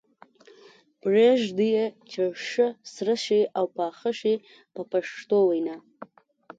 پرېږدي یې چې ښه سره شي او پاخه شي په پښتو وینا.